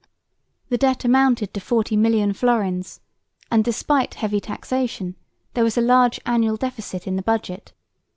The debt amounted to 40,000,000 fl.; and, despite heavy taxation, there was a large annual deficit in the budget.